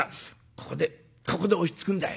ここでここで落ち着くんだ。